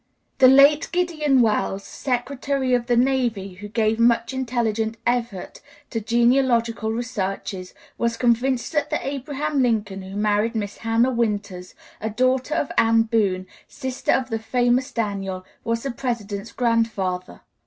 The late Gideon Welles, Secretary of the Navy, who gave much intelligent effort to genealogical researches, was convinced that the Abraham Lincoln who married Miss Hannah Winters, a daughter of Ann Boone, sister of the famous Daniel, was the President's grandfather.